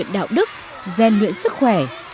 đạo đức gian luyện sức khỏe